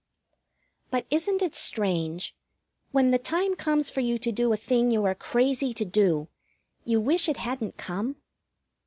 But isn't it strange, when the time comes for you to do a thing you are crazy to do, you wish it hadn't come?